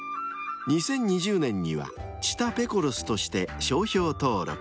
［２０２０年には知多ペコロスとして商標登録］